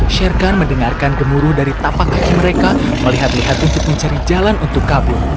sherkan mendengarkan gemuruh dari tapak kaki mereka melihat lihat untuk mencari jalan untuk kabur